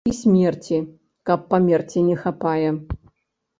І смерці, каб памерці, не хапае!